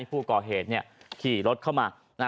ผู้ก่อเหตุขี่รถเข้ามา